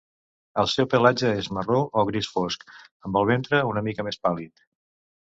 El seu pelatge és marró o gris fosc, amb el ventre una mica més pàl·lid.